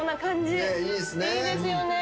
いいっすね。